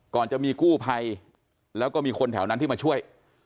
ก่อนจะมีกู้ภัยแล้วก็มีคนแถวนั้นที่มาช่วย